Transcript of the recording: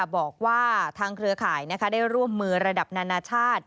บอกว่าทางเครือข่ายได้ร่วมมือระดับนานาชาติ